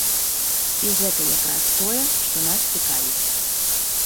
І гэта як раз тое, што нас цікавіць.